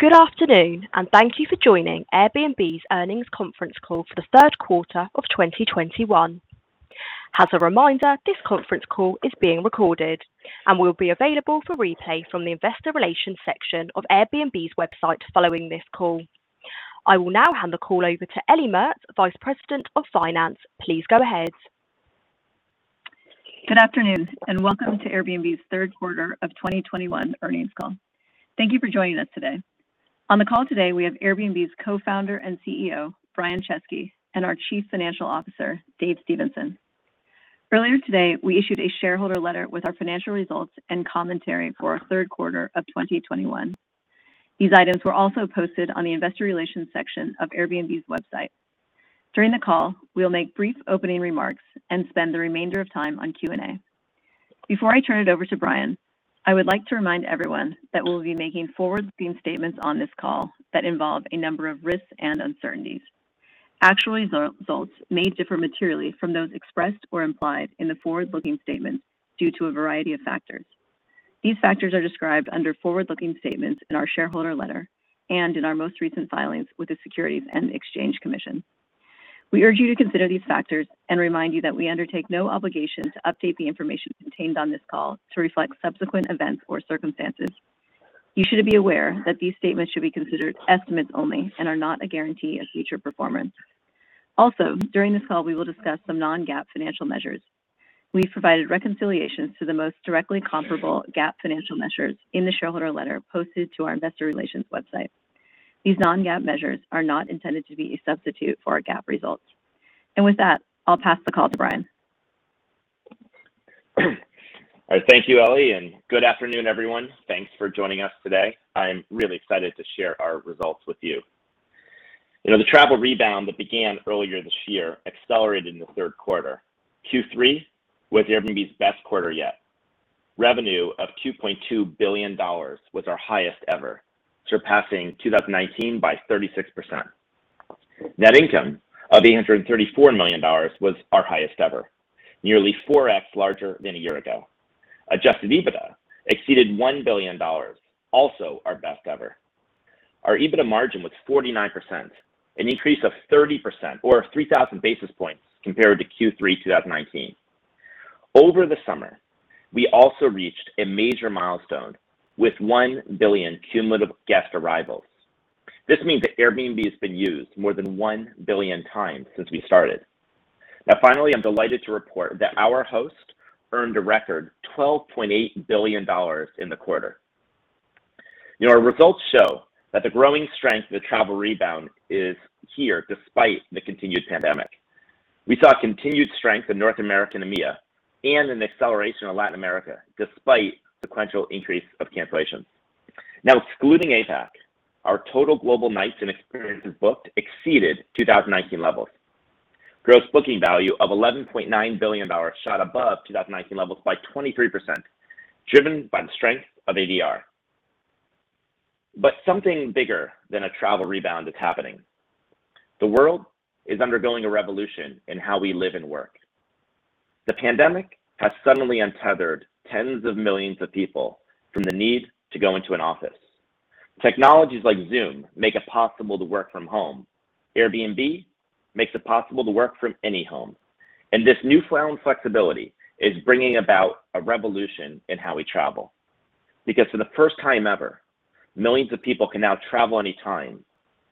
Good afternoon, and thank you for joining Airbnb's earnings conference call for the Q3 of 2021. As a reminder, this conference call is being recorded and will be available for replay from the investor relations section of Airbnb's website following this call. I will now hand the call over to Ellie Mertz, Vice President of Finance. Please go ahead. Good afternoon, and welcome to Airbnb's Q3 of 2021 earnings call. Thank you for joining us today. On the call today, we have Airbnb's Co-Founder and CEO, Brian Chesky, and our Chief Financial Officer, Dave Stephenson. Earlier today, we issued a shareholder letter with our financial results and commentary for our Q3 of 2021. These items were also posted on the investor relations section of Airbnb's website. During the call, we'll make brief opening remarks and spend the remainder of time on Q&A. Before I turn it over to Brian, I would like to remind everyone that we'll be making forward-looking statements on this call that involve a number of risks and uncertainties. Actual results may differ materially from those expressed or implied in the forward-looking statement due to a variety of factors. These factors are described under forward-looking statements in our shareholder letter and in our most recent filings with the Securities and Exchange Commission. We urge you to consider these factors and remind you that we undertake no obligation to update the information contained on this call to reflect subsequent events or circumstances. You should be aware that these statements should be considered estimates only and are not a guarantee of future performance. Also, during this call, we will discuss some non-GAAP financial measures. We provided reconciliations to the most directly comparable GAAP financial measures in the shareholder letter posted to our investor relations website. These non-GAAP measures are not intended to be a substitute for our GAAP results. With that, I'll pass the call to Brian. All right. Thank you, Ellie, and good afternoon, everyone. Thanks for joining us today. I'm really excited to share our results with you. You know, the travel rebound that began earlier this year accelerated in the Q3. Q3 was Airbnb's best quarter yet. Revenue of $2.2 billion was our highest ever, surpassing 2019 by 36%. Net income of $834 million was our highest ever, nearly 4x larger than a year ago. Adjusted EBITDA exceeded $1 billion, also our best ever. Our EBITDA margin was 49%, an increase of 30% or 3,000 basis points compared to Q3 2019. Over the summer, we also reached a major milestone with 1 billion cumulative guest arrivals. This means that Airbnb has been used more than 1 billion times since we started. Now, finally, I'm delighted to report that our hosts earned a record $12.8 billion in the quarter. You know, our results show that the growing strength of the travel rebound is here despite the continued pandemic. We saw continued strength in North America and EMEA, and an acceleration in Latin America despite sequential increases in cancellations. Now, excluding APAC, our total global nights and experiences booked exceeded 2019 levels. Gross Booking Value of $11.9 billion shot above 2019 levels by 23%, driven by the strength of ADR. Something bigger than a travel rebound is happening. The world is undergoing a revolution in how we live and work. The pandemic has suddenly untethered tens of millions of people from the need to go into an office. Technologies like Zoom make it possible to work from home. Airbnb makes it possible to work from any home. This newfound flexibility is bringing about a revolution in how we travel. For the first time ever, millions of people can now travel anytime,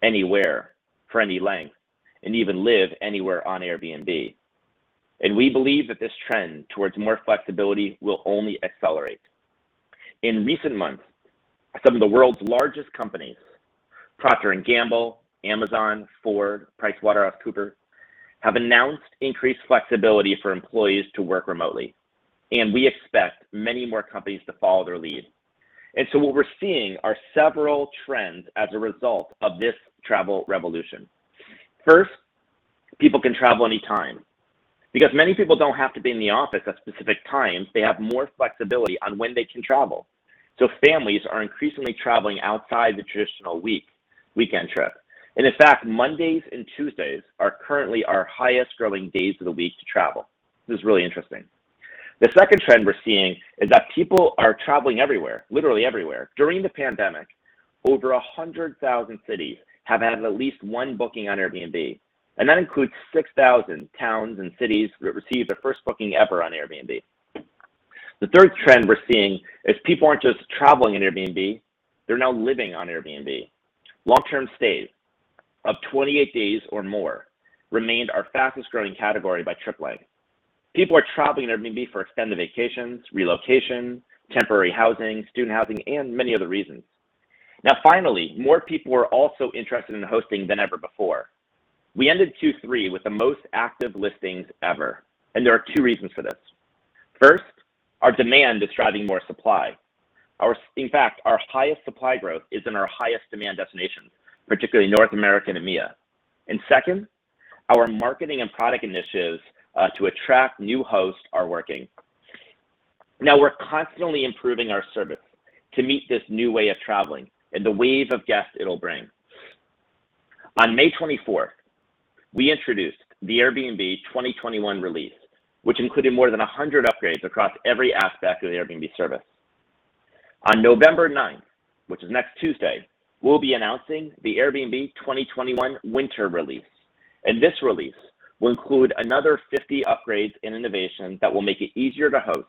anywhere, for any length, and even live anywhere on Airbnb. We believe that this trend towards more flexibility will only accelerate. In recent months, some of the world's largest companies, Procter & Gamble, Amazon, Ford, PricewaterhouseCoopers, have announced increased flexibility for employees to work remotely, and we expect many more companies to follow their lead. What we're seeing are several trends as a result of this travel revolution. First, people can travel anytime. Many people don't have to be in the office at specific times. They have more flexibility on when they can travel. Families are increasingly traveling outside the traditional weekend trip. In fact, Mondays and Tuesdays are currently our highest growing days of the week to travel. This is really interesting. The second trend we're seeing is that people are traveling everywhere, literally everywhere. During the pandemic, over 100,000 cities have had at least one booking on Airbnb, and that includes 6,000 towns and cities that received their first booking ever on Airbnb. The third trend we're seeing is people aren't just traveling on Airbnb, they're now living on Airbnb. Long-term stays of 28 days or more remained our fastest-growing category by trip length. People are traveling on Airbnb for extended vacations, relocation, temporary housing, student housing, and many other reasons. Now, finally, more people are also interested in hosting than ever before. We ended Q3 with the most active listings ever, and there are two reasons for this. First, our demand is driving more supply. In fact, our highest supply growth is in our highest demand destinations, particularly North America and EMEA. Second, our marketing and product initiatives to attract new hosts are working. Now, we're constantly improving our service to meet this new way of traveling and the wave of guests it'll bring. On 24th May, we introduced the Airbnb 2021 Release, which included more than 100 upgrades across every aspect of the Airbnb service. On 9th November, which is next Tuesday, we'll be announcing the Airbnb 2021 Winter Release, and this release will include another 50 upgrades in innovation that will make it easier to host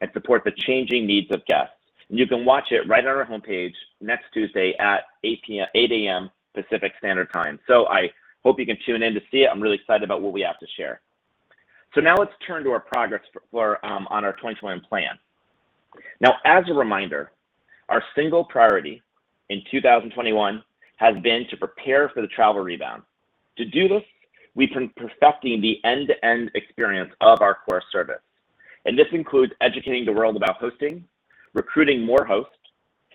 and support the changing needs of guests. You can watch it right on our homepage next Tuesday at 8:00 A.M. Pacific Standard Time. I hope you can tune in to see it. I'm really excited about what we have to share. Now let's turn to our progress on our 2021 plan. As a reminder, our single priority in 2021 has been to prepare for the travel rebound. To do this, we've been perfecting the end-to-end experience of our core service, and this includes educating the world about hosting, recruiting more hosts,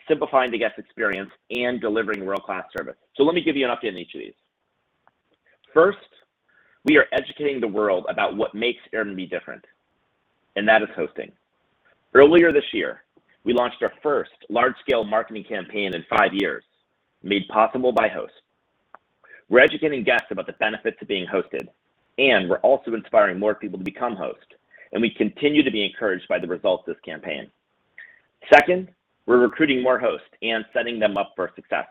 simplifying the guest experience, and delivering world-class service. Let me give you an update on each of these. First, we are educating the world about what makes Airbnb different, and that is hosting. Earlier this year, we launched our first large-scale marketing campaign in five years, made possible by hosts. We're educating guests about the benefits of being hosted, and we're also inspiring more people to become hosts, and we continue to be encouraged by the results of this campaign. Second, we're recruiting more hosts and setting them up for success.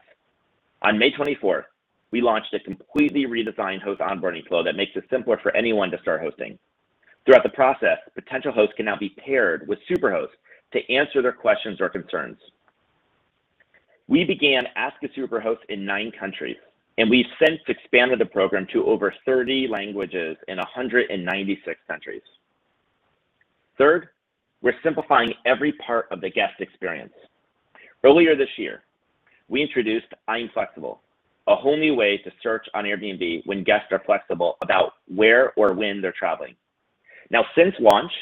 On 24th May, we launched a completely redesigned host onboarding flow that makes it simpler for anyone to start hosting. Throughout the process, potential hosts can now be paired with Superhosts to answer their questions or concerns. We began Ask a Superhost in nine countries, and we've since expanded the program to over 30 languages in 196 countries. Third, we're simplifying every part of the guest experience. Earlier this year, we introduced I'm Flexible, a whole new way to search on Airbnb when guests are flexible about where or when they're traveling. Now, since launch,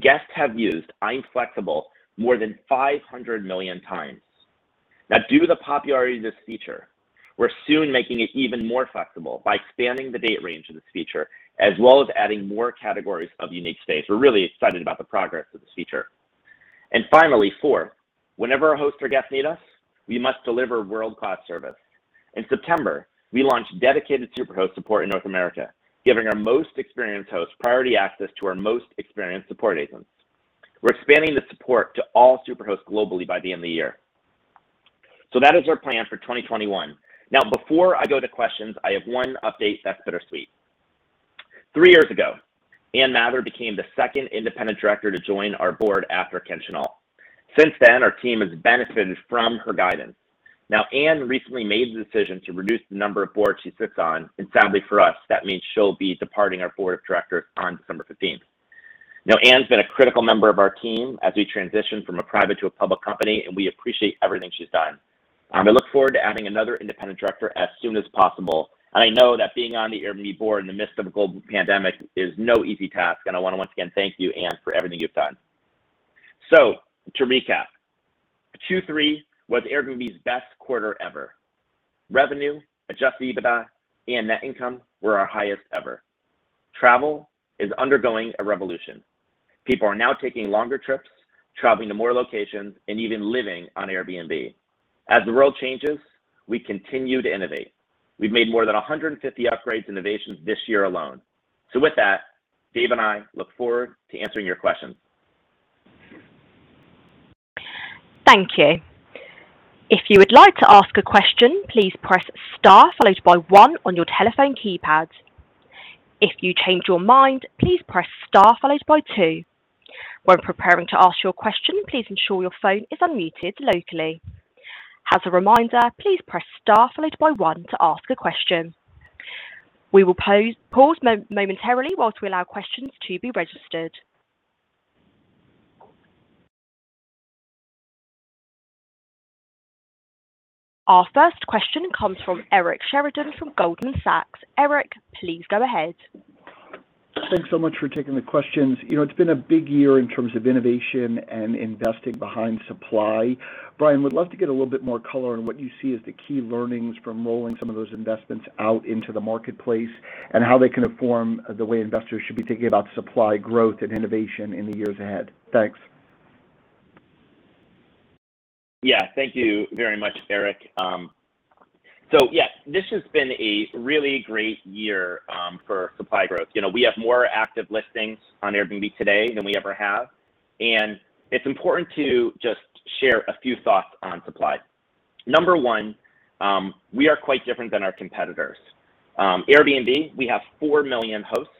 guests have used I'm Flexible more than 500 million times. Now, due to the popularity of this feature, we're soon making it even more flexible by expanding the date range of this feature, as well as adding more categories of unique stays. We're really excited about the progress of this feature. Finally, four, whenever a host or guest need us, we must deliver world-class service. In September, we launched dedicated Superhost support in North America, giving our most experienced hosts priority access to our most experienced support agents. We're expanding the support to all Superhosts globally by the end of the year. That is our plan for 2021. Now, before I go to questions, I have one update that's bittersweet. Three years ago, Ann Mather became the second independent director to join our board after Ken Chenault. Since then, our team has benefited from her guidance. Now, Ann recently made the decision to reduce the number of boards she sits on, and sadly for us, that means she'll be departing our board of directors on 15th December. Now, Ann's been a critical member of our team as we transition from a private to a public company, and we appreciate everything she's done. We look forward to adding another independent director as soon as possible, and I know that being on the Airbnb board in the midst of a global pandemic is no easy task, and I want to once again thank you, Ann, for everything you've done. To recap, Q3 was Airbnb's best quarter ever. Revenue, adjusted EBITDA, and net income were our highest ever. Travel is undergoing a revolution. People are now taking longer trips, traveling to more locations, and even living on Airbnb. As the world changes, we continue to innovate. We've made more than 150 upgrades and innovations this year alone. With that, Dave and I look forward to answering your questions. Our first question comes from Eric Sheridan from Goldman Sachs. Eric, please go ahead. Thanks so much for taking the questions. You know, it's been a big year in terms of innovation and investing behind supply. Brian, I'd love to get a little bit more color on what you see as the key learnings from rolling some of those investments out into the marketplace and how they can inform the way investors should be thinking about supply growth and innovation in the years ahead. Thanks. Yeah. Thank you very much, Eric. So yeah, this has been a really great year for supply growth. You know, we have more active listings on Airbnb today than we ever have, and it's important to just share a few thoughts on supply. Number one, we are quite different than our competitors. Airbnb, we have 4 million hosts,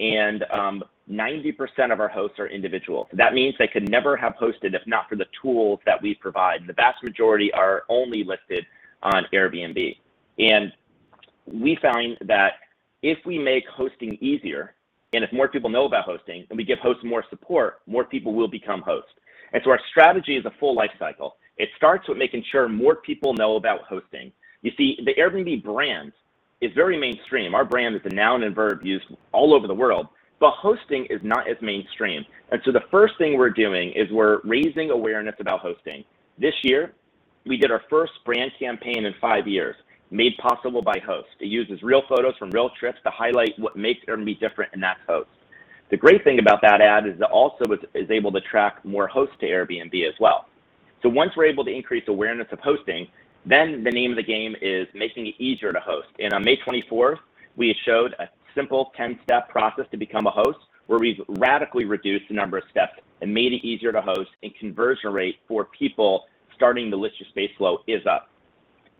and 90% of our hosts are individuals. That means they could never have hosted if not for the tools that we provide, and the vast majority are only listed on Airbnb. We found that if we make hosting easier, and if more people know about hosting, and we give hosts more support, more people will become hosts. Our strategy is a full life cycle. It starts with making sure more people know about hosting. You see, the Airbnb brand is very mainstream. Our brand is a noun and verb used all over the world, but hosting is not as mainstream. The first thing we're doing is we're raising awareness about hosting. This year, we did our first brand campaign in five years, made possible by hosts. It uses real photos from real trips to highlight what makes Airbnb different, and that's hosts. The great thing about that ad is it also is able to attract more hosts to Airbnb as well. Once we're able to increase awareness of hosting, the name of the game is making it easier to host. On 24th May, we showed a simple 10-step process to become a host where we've radically reduced the number of steps and made it easier to host, and conversion rate for people starting the listing a space flow is up.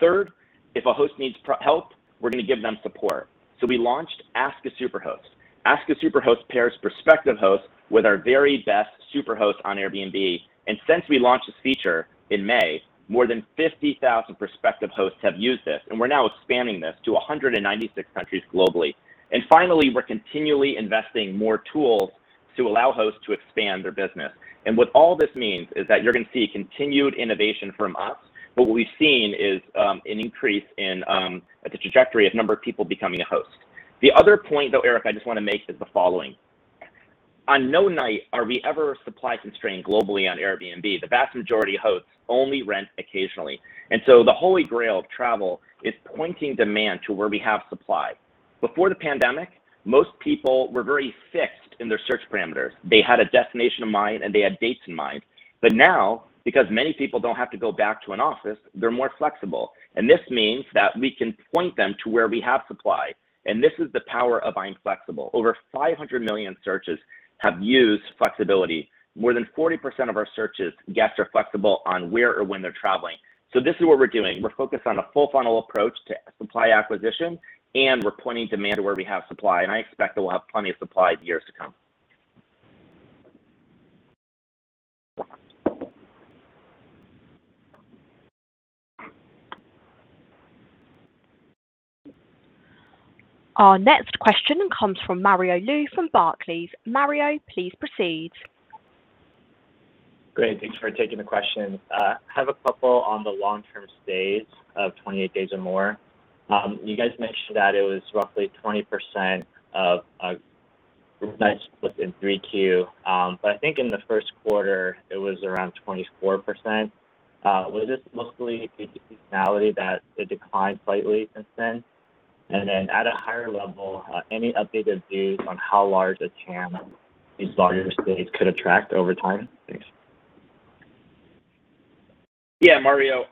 Third, if a host needs help, we're gonna give them support. We launched Ask a Superhost. Ask a Superhost pairs prospective hosts with our very best Superhost on Airbnb. Since we launched this feature in May, more than 50,000 prospective hosts have used this, and we're now expanding this to 196 countries globally. Finally, we're continually investing more tools to allow hosts to expand their business. What all this means is that you're gonna see continued innovation from us, but what we've seen is an increase in the trajectory of number of people becoming a host. The other point, though, Eric, I just wanna make is the following. On no night are we ever supply constrained globally on Airbnb. The vast majority of hosts only rent occasionally. The Holy Grail of travel is pointing demand to where we have supply. Before the pandemic, most people were very fixed in their search parameters. They had a destination in mind, and they had dates in mind. Now, because many people don't have to go back to an office, they're more flexible, and this means that we can point them to where we have supply, and this is the power of I'm Flexible. Over 500 million searches have used flexibility. More than 40% of our searches, guests are flexible on where or when they're traveling. This is what we're doing. We're focused on a full funnel approach to supply acquisition, and we're pointing demand to where we have supply, and I expect that we'll have plenty of supply in the years to come. Our next question comes from Mario Lu from Barclays. Mario, please proceed. Great. Thanks for taking the question. Have a couple on the long-term stays of 28 days or more. You guys mentioned that it was roughly 20% of nights booked in Q3. But I think in the Q1, it was around 24%. Was this mostly due to seasonality that it declined slightly since then? At a higher level, any updated views on how large a TAM these larger stays could attract over time? Thanks. Yeah, Mario,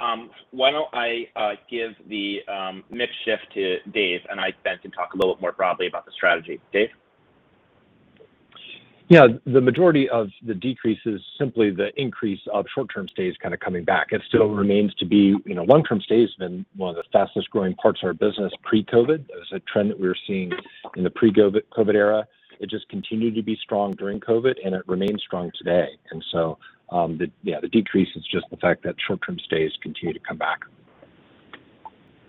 why don't I give the mix shift to Dave, and I then can talk a little bit more broadly about the strategy. Dave? Yeah. The majority of the decrease is simply the increase of short-term stays kinda coming back. It still remains to be, you know, long-term stays have been one of the fastest-growing parts of our business pre-COVID. That was a trend that we were seeing in the pre-COVID era. It just continued to be strong during COVID, and it remains strong today. Yeah, the decrease is just the fact that short-term stays continue to come back.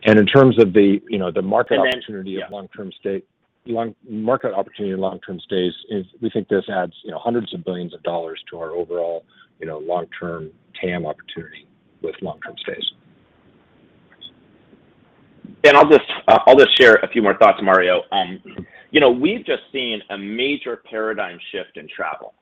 In terms of the, you know, the market opportunity of long-term stay Market opportunity in long-term stays is we think this adds, you know, hundreds of billions of dollars to our overall, you know, long-term TAM opportunity with long-term stays. I'll just share a few more thoughts, Mario. You know, we've just seen a major paradigm shift in travel.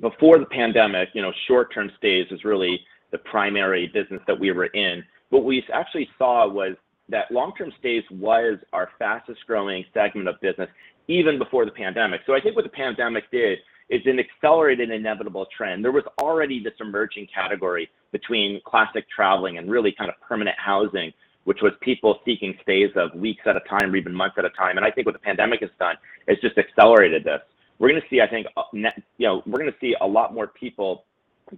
Before the pandemic, you know, short-term stays is really the primary business that we were in. What we actually saw was that long-term stays was our fastest growing segment of business even before the pandemic. I think what the pandemic did is it accelerated an inevitable trend. There was already this emerging category between classic traveling and really kind of permanent housing, which was people seeking stays of weeks at a time or even months at a time. I think what the pandemic has done is just accelerated this. We're gonna see, I think, you know, a lot more people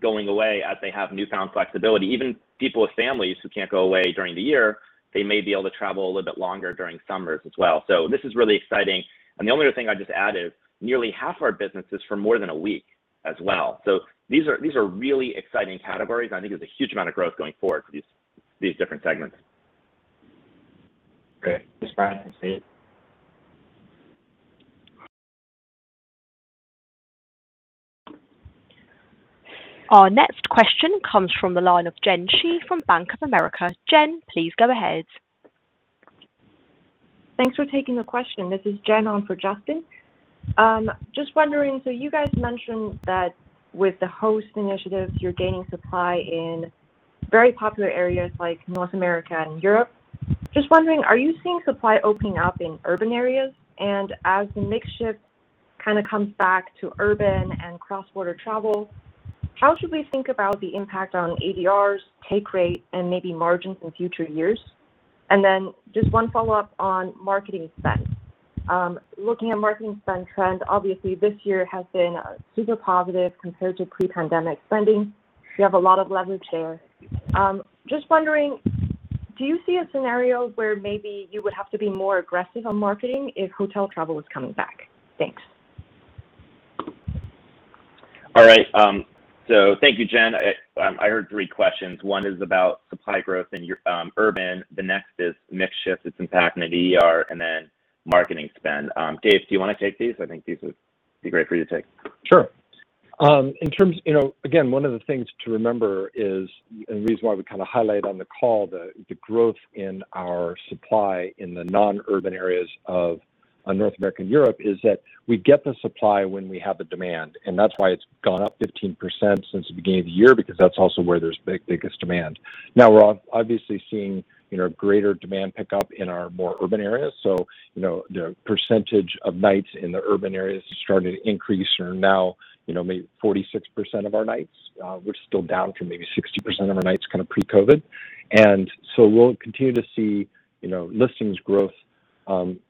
going away as they have newfound flexibility. Even people with families who can't go away during the year, they may be able to travel a little bit longer during summers as well. This is really exciting. The only other thing I'd just add is nearly half our business is for more than a week as well. These are really exciting categories, and I think there's a huge amount of growth going forward for these different segments. Great. Thanks, Brian. That's it. Our next question comes from the line of Jen Shi from Bank of America. Jen, please go ahead. Thanks for taking the question. This is Jen on for Justin. Just wondering, so you guys mentioned that with the host initiative, you're gaining supply in very popular areas like North America and Europe. Just wondering, are you seeing supply opening up in urban areas? As the mix shift kinda comes back to urban and cross-border travel, how should we think about the impact on ADRs, take rate, and maybe margins in future years? Just one follow-up on marketing spend. Looking at marketing spend trends, obviously, this year has been super positive compared to pre-pandemic spending. You have a lot of leverage there. Just wondering, do you see a scenario where maybe you would have to be more aggressive on marketing if hotel travel is coming back? Thanks. All right. Thank you, Jen. I heard three questions. One is about supply growth in urban. The next is mix shift, its impact on ADR, and then marketing spend. Dave, do you wanna take these? I think these would be great for you to take. Sure. In terms, you know, again, one of the things to remember is, and the reason why we kinda highlight on the call the growth in our supply in the non-urban areas of North America and Europe is that we get the supply when we have the demand, and that's why it's gone up 15% since the beginning of the year because that's also where there's biggest demand. Now we're obviously seeing, you know, greater demand pick up in our more urban areas. You know, the percentage of nights in the urban areas has started to increase, and now, you know, maybe 46% of our nights, which is still down from maybe 60% of our nights kind of pre-COVID. We'll continue to see, you know, listings growth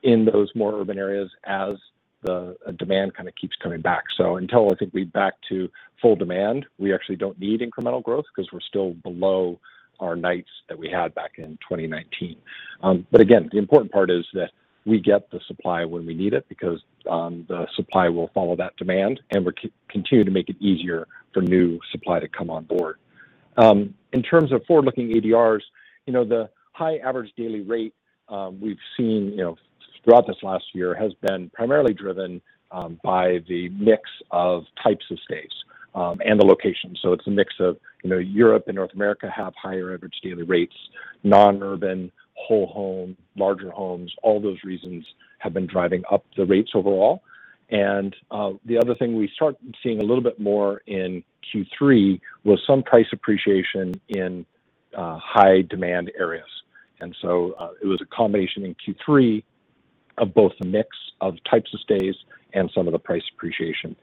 in those more urban areas as the demand kind of keeps coming back. Until I think we're back to full demand, we actually don't need incremental growth because we're still below our nights that we had back in 2019. Again, the important part is that we get the supply when we need it because the supply will follow that demand, and we're continue to make it easier for new supply to come on board. In terms of forward-looking ADRs, you know, the high average daily rate we've seen, you know, throughout this last year has been primarily driven by the mix of types of stays and the location. It's a mix of, you know, Europe and North America have higher average daily rates. Non-urban, whole home, larger homes, all those reasons have been driving up the rates overall. The other thing we start seeing a little bit more in Q3 was some price appreciation in high-demand areas. It was a combination in Q3 of both the mix of types of stays and some of the price appreciation.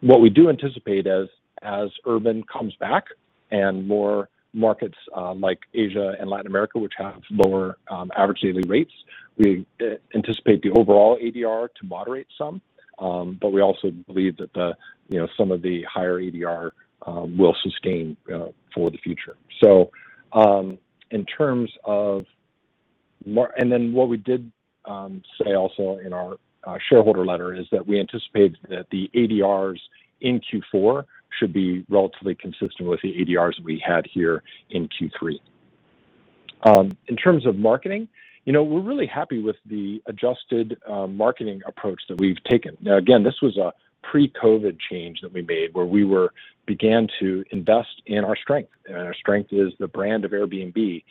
What we do anticipate as urban comes back and more markets like Asia and Latin America, which have lower average daily rates, we anticipate the overall ADR to moderate some. But we also believe that the you know some of the higher ADR will sustain for the future. In terms of and then what we did say also in our shareholder letter is that we anticipate that the ADRs in Q4 should be relatively consistent with the ADRs we had here in Q3. In terms of marketing, you know, we're really happy with the adjusted marketing approach that we've taken. Now, again, this was a pre-COVID change that we made, where we began to invest in our strength, and our strength is the brand of Airbnb.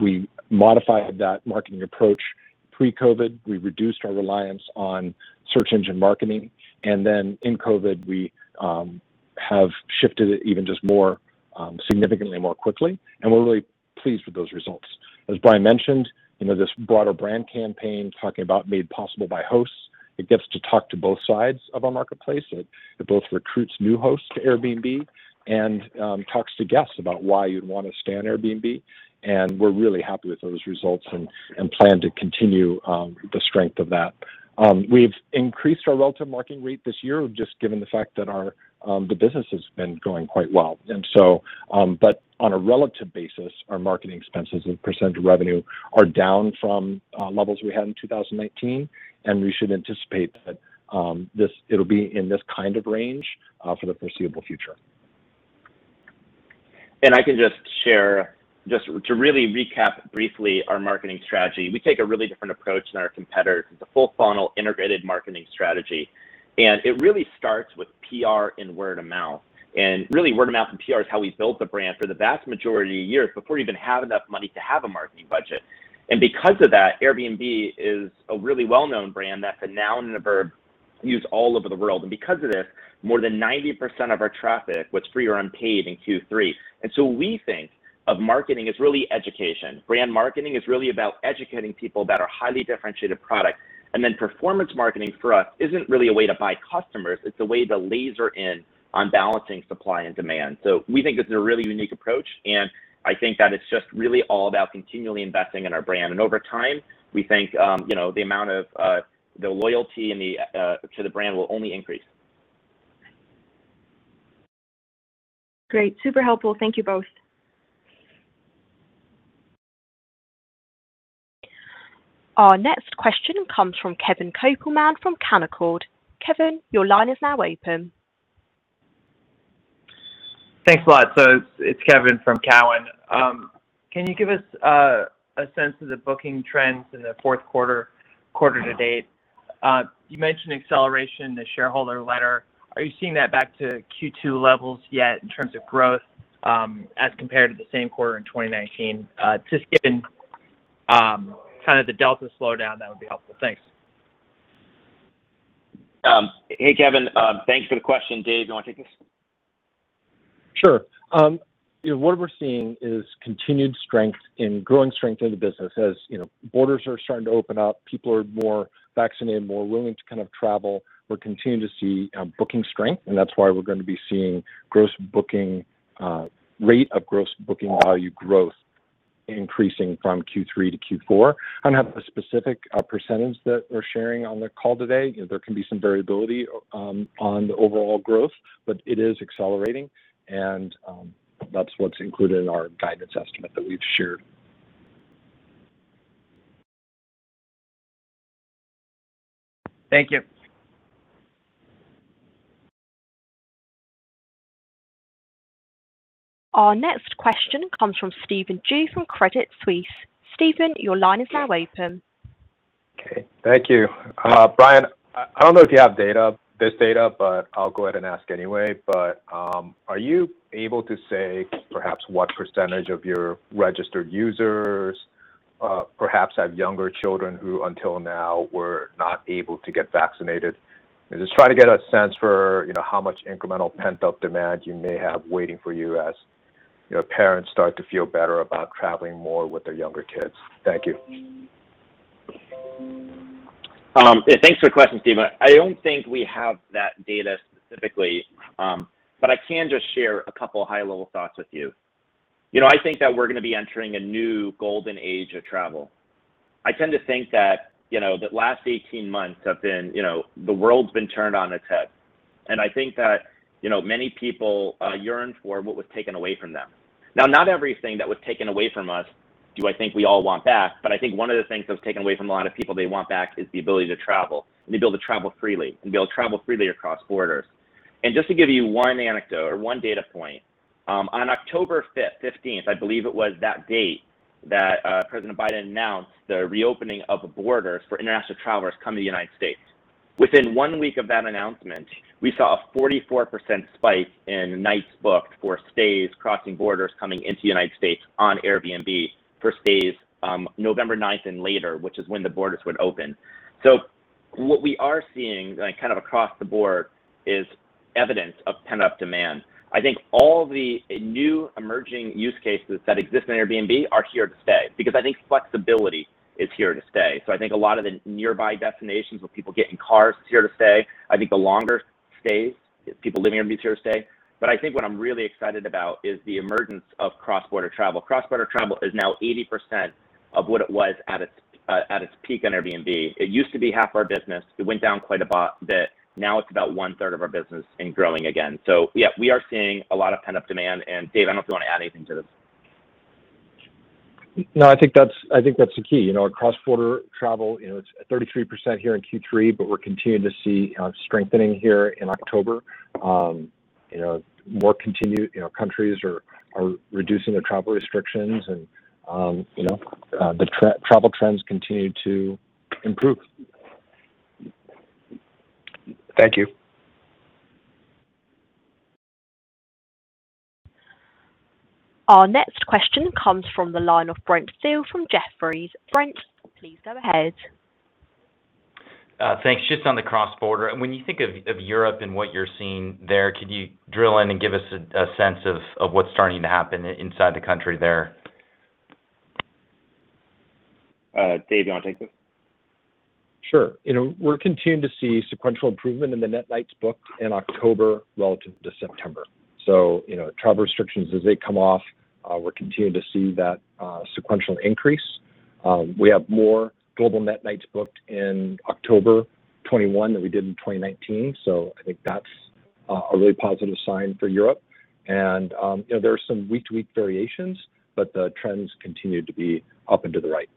We modified that marketing approach pre-COVID. We reduced our reliance on search engine marketing. And then in COVID, we have shifted it even just more significantly more quickly. We're really pleased with those results. As Brian mentioned, you know, this broader brand campaign talking about made possible by hosts, it gets to talk to both sides of our marketplace. It both recruits new hosts to Airbnb and talks to guests about why you'd want to stay on Airbnb. We're really happy with those results and plan to continue the strength of that. We've increased our relative marketing rate this year, just given the fact that our business has been going quite well. On a relative basis, our marketing expenses as a percentage of revenue are down from levels we had in 2019, and we should anticipate that it'll be in this kind of range for the foreseeable future. I can just share, just to really recap briefly our marketing strategy. We take a really different approach than our competitors. It's a full funnel integrated marketing strategy, and it really starts with PR and word of mouth. Really word of mouth and PR is how we built the brand for the vast majority of years before we even had enough money to have a marketing budget. Because of that, Airbnb is a really well-known brand that's a noun and a verb used all over the world. Because of this, more than 90% of our traffic was free or unpaid in Q3. We think of marketing as really education. Brand marketing is really about educating people about our highly differentiated product. Performance marketing for us isn't really a way to buy customers, it's a way to laser in on balancing supply and demand. We think it's a really unique approach, and I think that it's just really all about continually investing in our brand. Over time, we think, you know, the amount of loyalty to the brand will only increase. Great. Super helpful. Thank you both. Our next question comes from Kevin Kopelman from Cowen. Kevin, your line is now open. Thanks a lot. It's Kevin from Cowen. Can you give us a sense of the booking trends in the Q4 to date? You mentioned acceleration in the shareholder letter. Are you seeing that back to Q2 levels yet in terms of growth, as compared to the same quarter in 2019? Just given kind of the delta slowdown, that would be helpful. Thanks. Hey, Kevin. Thank you for the question. Dave, you wanna take this? Sure. You know, what we're seeing is continued strength and growing strength in the business. As you know, borders are starting to open up, people are more vaccinated, more willing to kind of travel, we're continuing to see booking strength, and that's why we're gonna be seeing gross booking value growth increasing from Q3 to Q4. I don't have a specific percentage that we're sharing on the call today. You know, there can be some variability on the overall growth, but it is accelerating, and that's what's included in our guidance estimate that we've shared. Thank you. Our next question comes from Stephen Ju from Credit Suisse. Stephen, your line is now open. Okay. Thank you, Brian, I don't know if you have data, but I'll go ahead and ask anyway. Are you able to say perhaps what percentage of your registered users perhaps have younger children who until now were not able to get vaccinated? I'm just trying to get a sense for, you know, how much incremental pent-up demand you may have waiting for you as, you know, parents start to feel better about traveling more with their younger kids. Thank you. Thanks for the question, Stephen. I don't think we have that data specifically, but I can just share a couple high-level thoughts with you. You know, I think that we're gonna be entering a new golden age of travel. I tend to think that, you know, the last 18 months have been. You know, the world's been turned on its head, and I think that, you know, many people yearned for what was taken away from them. Now, not everything that was taken away from us do I think we all want back, but I think one of the things that was taken away from a lot of people they want back is the ability to travel and the ability to travel freely and be able to travel freely across borders. Just to give you one anecdote or one data point, on 15 October, I believe it was that date, that, President Biden announced the reopening of the borders for international travelers coming to the United States. Within one week of that announcement, we saw a 44% spike in nights booked for stays crossing borders coming into the United States on Airbnb for stays, 9th November and later, which is when the borders would open. What we are seeing, like kind of across the board, is evidence of pent-up demand. I think all the new emerging use cases that exist in Airbnb are here to stay because I think flexibility is here to stay. I think a lot of the nearby destinations with people getting cars is here to stay. I think the longer stays, people living in these here to stay. I think what I'm really excited about is the emergence of cross-border travel. Cross-border travel is now 80% of what it was at its peak on Airbnb. It used to be half our business. It went down quite a bit. Now it's about one-third of our business and growing again. Yeah, we are seeing a lot of pent-up demand. Dave, I don't know if you want to add anything to this. No, I think that's the key. You know, our cross-border travel, you know, it's at 33% here in Q3, but we're continuing to see strengthening here in October. You know, more countries are reducing their travel restrictions and, you know, the travel trends continue to improve. Thank you. Our next question comes from the line of Brent Thill from Jefferies. Brent, please go ahead. Thanks. Just on the cross-border, when you think of Europe and what you're seeing there, could you drill in and give us a sense of what's starting to happen inside the country there? Dave, you want to take this? Sure. You know, we're continuing to see sequential improvement in the net nights booked in October relative to September. You know, travel restrictions as they come off, we're continuing to see that, sequential increase. We have more global net nights booked in October 2021 than we did in 2019, so I think that's a really positive sign for Europe. You know, there are some week-to-week variations, but the trends continue to be up and to the right.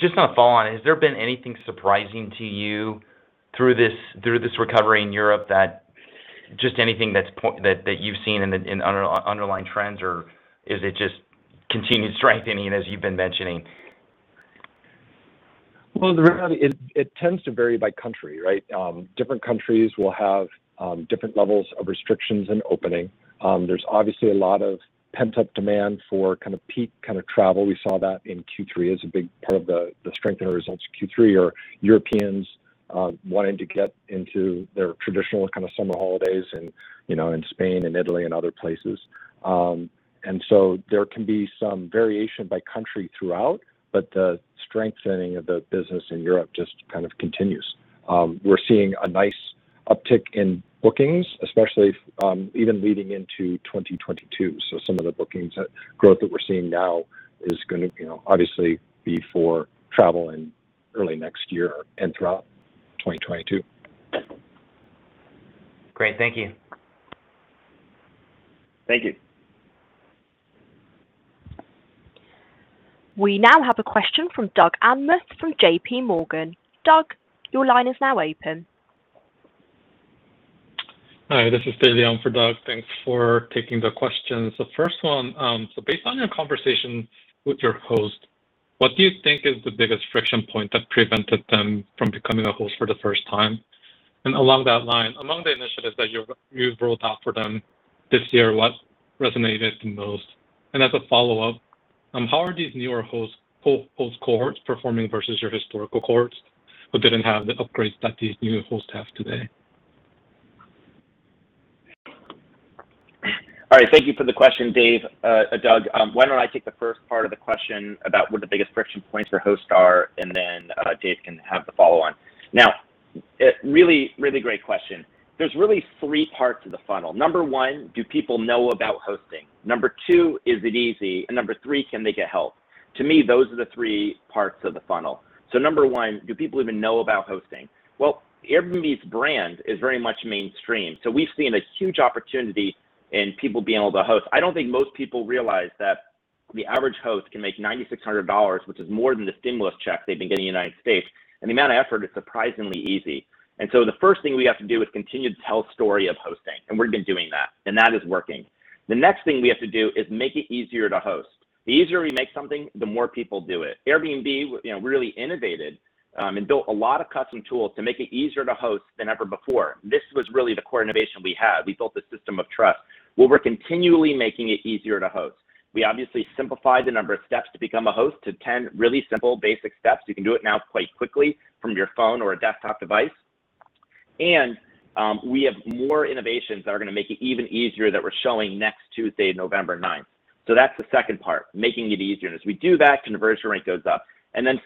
Just on a follow-on, has there been anything surprising to you through this recovery in Europe, just anything that you've seen in the underlying trends, or is it just continued strengthening as you've been mentioning? Well, the reality, it tends to vary by country, right? Different countries will have different levels of restrictions and opening. There's obviously a lot of pent-up demand for kind of peak kind of travel. We saw that in Q3 as a big part of the strength in our results in Q3 as Europeans wanting to get into their traditional kind of summer holidays in, you know, in Spain and Italy and other places. There can be some variation by country throughout, but the strengthening of the business in Europe just kind of continues. We're seeing a nice uptick in bookings, especially even leading into 2022. Some of the bookings growth that we're seeing now is gonna, you know, obviously be for travel in early next year and throughout 2022. Great. Thank you. Thank you. We now have a question from Doug Anmuth from JPMorgan. Doug, your line is now open. Hi, this is Dave Young for Doug. Thanks for taking the questions. The first one, so based on your conversation with your host, what do you think is the biggest friction point that prevented them from becoming a host for the first time? And along that line, among the initiatives that you've rolled out for them this year, what resonated the most? And as a follow-up, how are these newer hosts cohorts performing versus your historical cohorts who didn't have the upgrades that these new hosts have today? All right. Thank you for the question, Dave, Doug. Why don't I take the first part of the question about what the biggest friction points for hosts are, and then, Dave can have the follow-on. Now, really, really great question. There's really three parts to the funnel. Number one, do people know about hosting? Number two, is it easy? And number three, can they get help? To me, those are the three parts of the funnel. Number one, do people even know about hosting? Well, Airbnb's brand is very much mainstream, so we've seen a huge opportunity in people being able to host. I don't think most people realize that the average host can make $9,600, which is more than the stimulus check they've been getting in the United States, and the amount of effort is surprisingly easy. The first thing we have to do is continue to tell story of hosting, and we've been doing that, and that is working. The next thing we have to do is make it easier to host. The easier we make something, the more people do it. Airbnb, you know, really innovated, and built a lot of custom tools to make it easier to host than ever before. This was really the core innovation we had. We built a system of trust. Well, we're continually making it easier to host. We obviously simplified the number of steps to become a host to 10 really simple basic steps. You can do it now quite quickly from your phone or a desktop device. We have more innovations that are gonna make it even easier that we're showing next Tuesday, November ninth. That's the second part, making it easier, and as we do that, conversion rate goes up.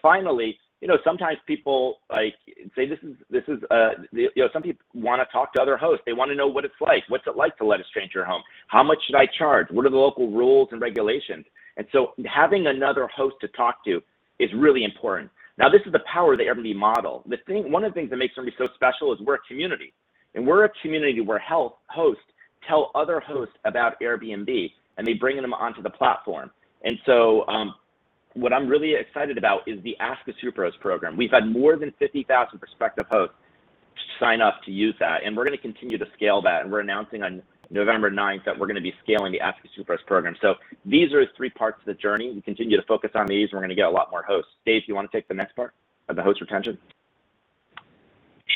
Finally, you know, sometimes people, like, say this is, you know, some people wanna talk to other hosts. They want to know what it's like. What's it like to let a stranger in your home? How much should I charge? What are the local rules and regulations? Having another host to talk to is really important. Now this is the power of the Airbnb model. One of the things that makes Airbnb so special is we're a community, and we're a community where hosts tell other hosts about Airbnb, and they bring them onto the platform. What I'm really excited about is the Ask a Superhost program. We've had more than 50,000 prospective hosts sign up to use that, and we're gonna continue to scale that, and we're announcing on November ninth that we're gonna be scaling the Ask a Superhost program. These are the three parts of the journey. We continue to focus on these, and we're gonna get a lot more hosts. Dave, do you want to take the next part of the host retention?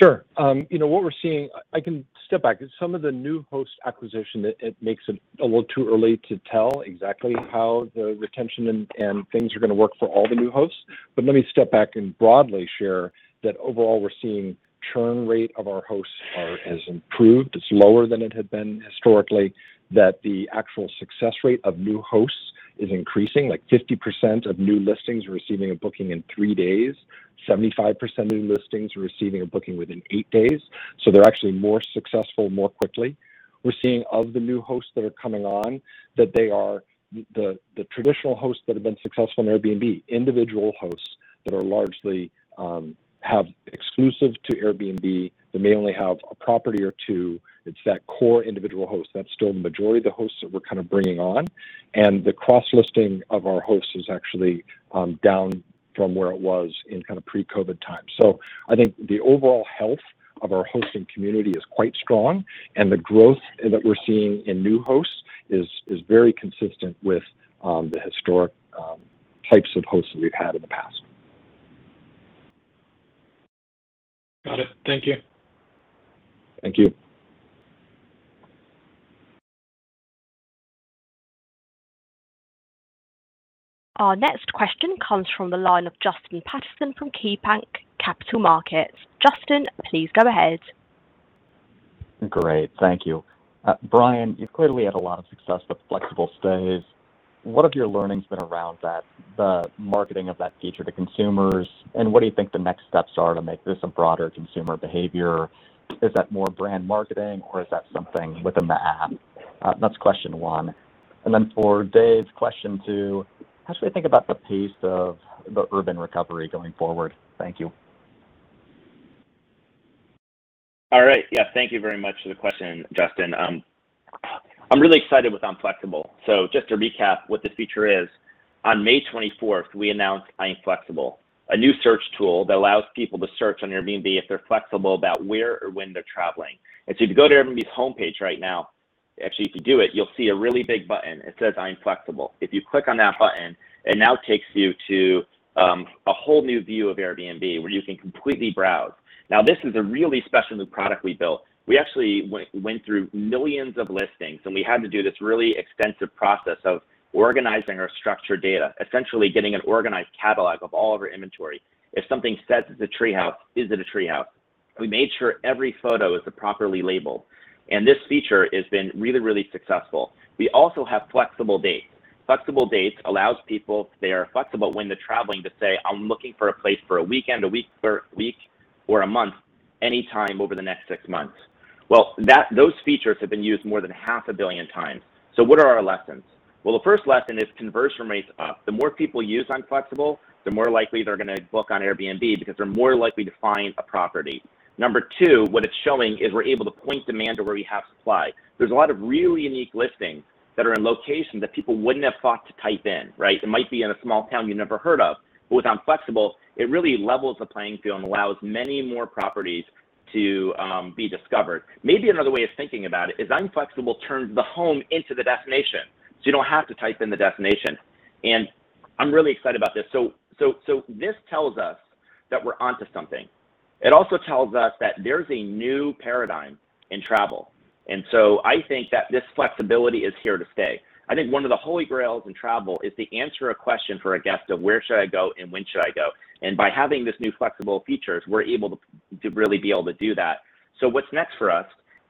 Sure. You know what we're seeing. I can step back. Some of the new host acquisition makes it a little too early to tell exactly how the retention and things are gonna work for all the new hosts. Let me step back and broadly share that overall we're seeing churn rate of our hosts has improved. It's lower than it had been historically, that the actual success rate of new hosts is increasing, like 50% of new listings are receiving a booking in three days. 75% of new listings are receiving a booking within eight days. They're actually more successful more quickly. We're seeing of the new hosts that are coming on, that they are the traditional hosts that have been successful in Airbnb, individual hosts that are largely have exclusive to Airbnb. They may only have a property or two. It's that core individual host. That's still the majority of the hosts that we're kind of bringing on. The cross-listing of our hosts is actually down from where it was in kind of pre-COVID times. I think the overall health of our hosting community is quite strong, and the growth that we're seeing in new hosts is very consistent with the historic types of hosts that we've had in the past. Got it. Thank you. Thank you. Our next question comes from the line of Justin Patterson from KeyBanc Capital Markets. Justin, please go ahead. Great. Thank you. Brian, you've clearly had a lot of success with flexible stays. What have your learnings been around that, the marketing of that feature to consumers, and what do you think the next steps are to make this a broader consumer behavior? Is that more brand marketing or is that something within the app? That's question one. For Dave, question two, how should we think about the pace of the urban recovery going forward? Thank you. All right. Yeah, thank you very much for the question, Justin. I'm really excited with I'm Flexible. Just to recap what the feature is, on 24 May, we announced I'm Flexible, a new search tool that allows people to search on Airbnb if they're flexible about where or when they're traveling. If you go to Airbnb's homepage right now, actually if you do it, you'll see a really big button. It says, I'm Flexible. If you click on that button, it now takes you to a whole new view of Airbnb where you can completely browse. Now, this is a really special new product we built. We actually went through millions of listings, and we had to do this really extensive process of organizing our structured data, essentially getting an organized catalog of all of our inventory. If something says it's a tree house, is it a tree house? We made sure every photo is properly labeled. This feature has been really, really successful. We also have flexible dates. Flexible dates allows people, if they are flexible when they're traveling, to say, "I'm looking for a place for a weekend, a week or a month, anytime over the next six months." Those features have been used more than 500 million times. What are our lessons? The first lesson is conversion rate's up. The more people use I'm Flexible, the more likely they're gonna book on Airbnb because they're more likely to find a property. Number two, what it's showing is we're able to point demand to where we have supply. There's a lot of really unique listings that are in locations that people wouldn't have thought to type in, right? It might be in a small town you never heard of. With I'm Flexible, it really levels the playing field and allows many more properties to be discovered. Maybe another way of thinking about it is I'm Flexible turns the home into the destination. You don't have to type in the destination. I'm really excited about this. This tells us that we're onto something. It also tells us that there's a new paradigm in travel. I think that this flexibility is here to stay. I think one of the holy grails in travel is to answer a question for a guest of where should I go and when should I go? By having these new flexible features, we're able to really be able to do that. What's next for us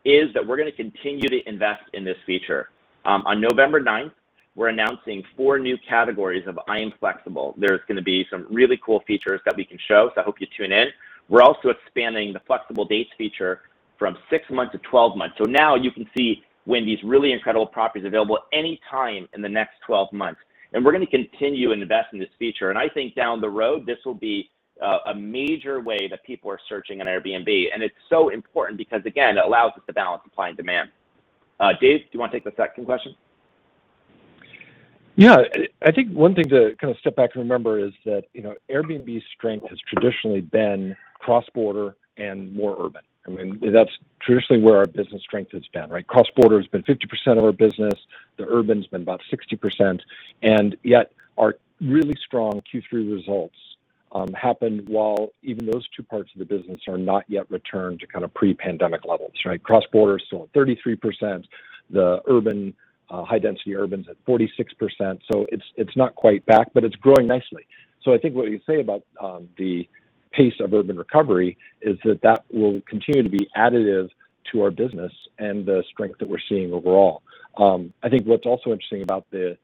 is that we're gonna continue to invest in this feature. On 9th November, we're announcing four new categories of I'm Flexible. There's gonna be some really cool features that we can show, so I hope you tune in. We're also expanding the flexible dates feature from six months to 12 months. Now you can see when these really incredible properties are available any time in the next 12 months. We're gonna continue to invest in this feature. I think down the road, this will be a major way that people are searching on Airbnb. It's so important because again, it allows us to balance supply and demand. Dave, do you want to take the second question? Yeah. I think one thing to kind of step back and remember is that, you know, Airbnb's strength has traditionally been cross-border and more urban. I mean, that's traditionally where our business strength has been, right? Cross-border has been 50% of our business. The urban's been about 60%, and yet our really strong Q3 results happened while even those two parts of the business are not yet returned to kind of pre-pandemic levels, right? Cross-border is still at 33%. The urban, high-density urban's at 46%. So it's not quite back, but it's growing nicely. So I think what you say about the pace of urban recovery is that that will continue to be additive to our business and the strength that we're seeing overall. I think what's also interesting about the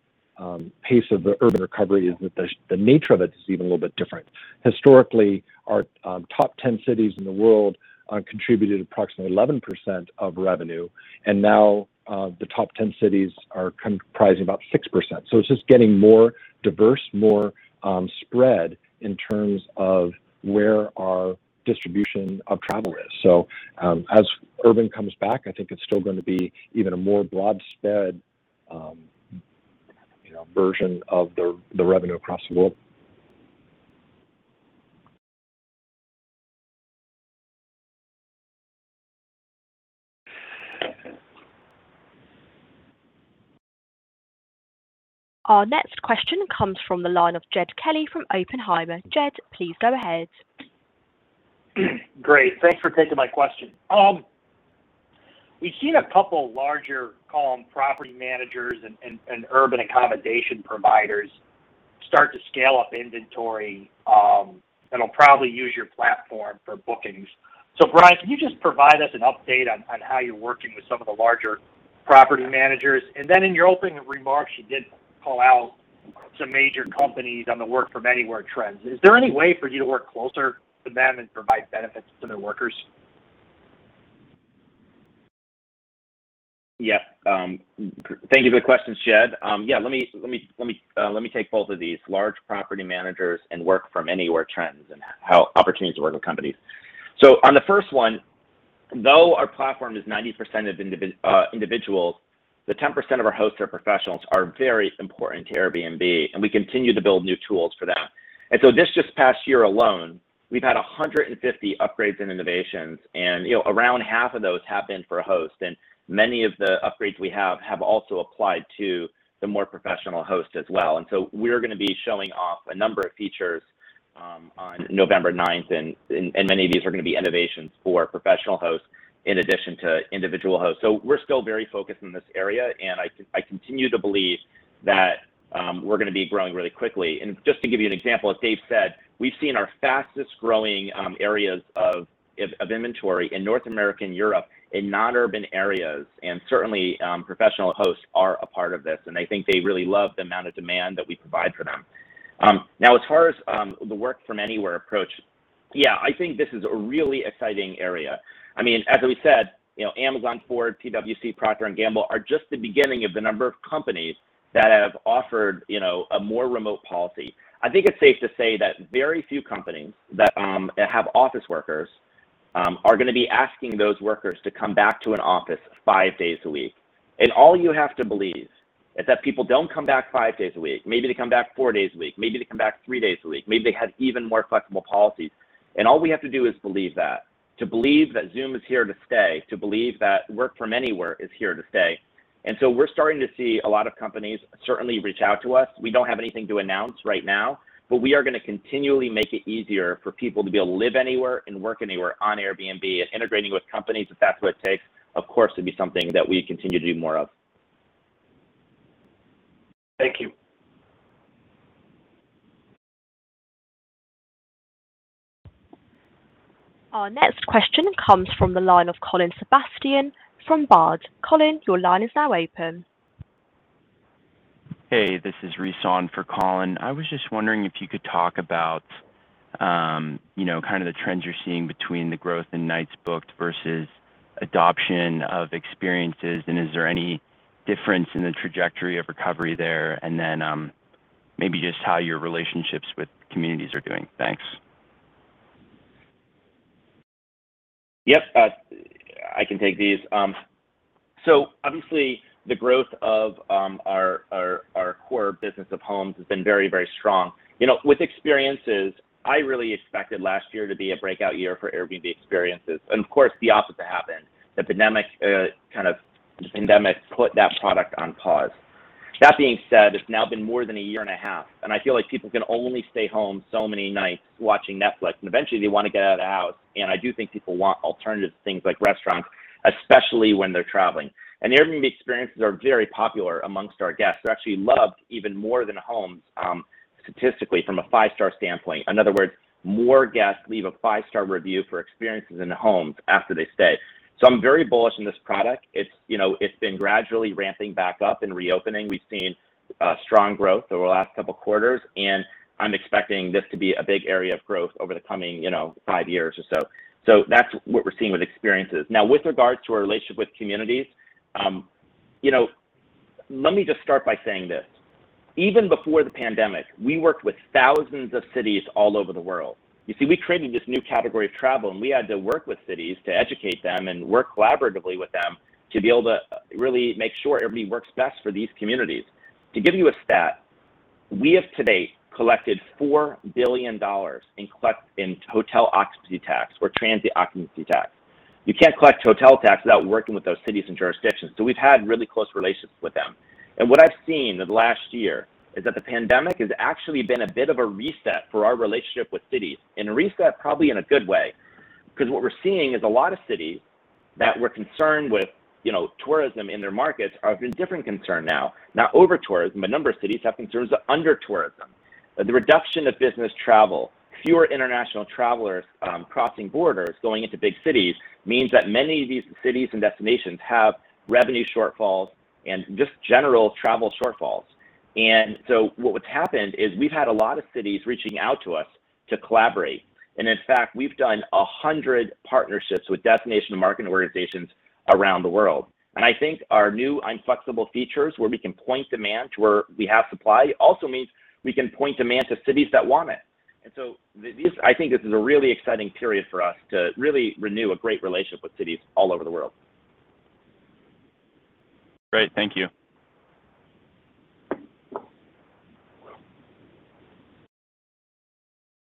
pace of the urban recovery is that the nature of it is even a little bit different. Historically, our top 10 cities in the world contributed approximately 11% of revenue, and now the top 10 cities are comprising about 6%. It's just getting more diverse, more spread in terms of where our distribution of travel is. As urban comes back, I think it's still gonna be even a more broad spread, you know, version of the revenue across the world. Our next question comes from the line of Jed Kelly from Oppenheimer. Jed, please go ahead. Great. Thanks for taking my question. We've seen a couple larger co-living property managers and urban accommodation providers start to scale up inventory, that'll probably use your platform for bookings. Brian, can you just provide us an update on how you're working with some of the larger property managers? In your opening remarks, you did call out some major companies on the work from anywhere trends. Is there any way for you to work closer to them and provide benefits to their workers? Yep. Thank you for the questions, Jed. Yeah, let me take both of these, large property managers and work from anywhere trends and how opportunities to work with companies. On the first one, though our platform is 90% individuals, the 10% of our hosts are professionals are very important to Airbnb, and we continue to build new tools for that. This just past year alone, we've had 150 upgrades and innovations, and, you know, around half of those have been for hosts. Many of the upgrades we have have also applied to the more professional hosts as well. We're gonna be showing off a number of features on November ninth. Many of these are gonna be innovations for professional hosts in addition to individual hosts. We're still very focused in this area, and I continue to believe that we're gonna be growing really quickly. Just to give you an example, as Dave said, we've seen our fastest growing areas of inventory in North America and Europe in non-urban areas. Certainly, professional hosts are a part of this, and I think they really love the amount of demand that we provide for them. Now as far as the work from anywhere approach, yeah, I think this is a really exciting area. I mean, as we said, you know, Amazon, Ford, PwC, Procter & Gamble are just the beginning of the number of companies that have offered, you know, a more remote policy. I think it's safe to say that very few companies that have office workers are gonna be asking those workers to come back to an office five days a week. All you have to believe is that people don't come back five days a week. Maybe they come back four days a week, maybe they come back three days a week. Maybe they have even more flexible policies. All we have to do is believe that. To believe that Zoom is here to stay, to believe that work from anywhere is here to stay. We're starting to see a lot of companies certainly reach out to us. We don't have anything to announce right now, but we are gonna continually make it easier for people to be able to live anywhere and work anywhere on Airbnb and integrating with companies, if that's what it takes, of course, would be something that we continue to do more of. Thank you. Our next question comes from the line of Colin Sebastian from Baird. Colin, your line is now open. Hey, this is Reese on for Colin. I was just wondering if you could talk about, you know, kind of the trends you're seeing between the growth in nights booked versus adoption of experiences. Is there any difference in the trajectory of recovery there? Maybe just how your relationships with communities are doing. Thanks. Yep. I can take these. So obviously the growth of our core business of homes has been very strong. You know, with Experiences, I really expected last year to be a breakout year for Airbnb Experiences. Of course, the opposite happened. The pandemic kind of put that product on pause. That being said, it's now been more than a year and a half, and I feel like people can only stay home so many nights watching Netflix, and eventually they wanna get out of the house. I do think people want alternative things like restaurants, especially when they're traveling. Airbnb Experiences are very popular among our guests. They're actually loved even more than homes, statistically from a five-star standpoint. In other words, more guests leave a five-star review for Experiences than homes after they stay. I'm very bullish on this product. It's been gradually ramping back up and reopening. We've seen strong growth over the last couple quarters, and I'm expecting this to be a big area of growth over the coming five years or so. That's what we're seeing with experiences. Now, with regards to our relationship with communities, let me just start by saying this. Even before the pandemic, we worked with thousands of cities all over the world. You see, we created this new category of travel, and we had to work with cities to educate them and work collaboratively with them to be able to really make sure everybody works best for these communities. We have today collected $4 billion in hotel occupancy tax or transient occupancy tax. You can't collect hotel tax without working with those cities and jurisdictions, so we've had really close relationships with them. What I've seen in the last year is that the pandemic has actually been a bit of a reset for our relationship with cities, and a reset probably in a good way. Because what we're seeing is a lot of cities that were concerned with, you know, tourism in their markets have a different concern now, not over tourism. A number of cities have concerns under tourism. The reduction of business travel, fewer international travelers, crossing borders going into big cities means that many of these cities and destinations have revenue shortfalls and just general travel shortfalls. What's happened is we've had a lot of cities reaching out to us to collaborate, and in fact, we've done 100 partnerships with destination marketing organizations around the world. I think our new I'm Flexible features where we can point demand to where we have supply also means we can point demand to cities that want it. I think this is a really exciting period for us to really renew a great relationship with cities all over the world. Great. Thank you.